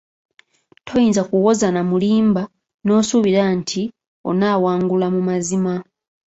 Toyinza kuwoza n’amulimba n’osuubira nti onaawangula mu mazima.